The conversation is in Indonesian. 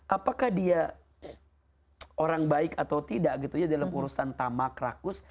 apakah dia orang baik atau tidak gitu ya dalam urusan tamak rakus